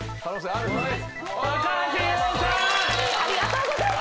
ありがとうございます。